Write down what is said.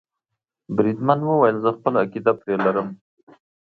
بریدمن وویل زه خپله عقیده پرې لرم.